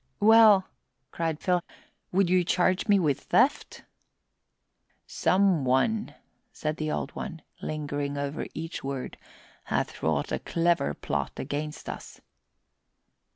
"Well," cried Phil, "would you charge me with theft?" "Some one," said the Old One, lingering over each word, "hath wrought a clever plot against us."